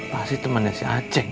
pasti temannya si aceh